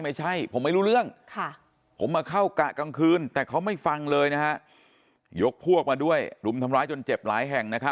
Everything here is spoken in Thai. ไม่ครับแต่ถ้าผมออกไปก็โดนเต็มแหละ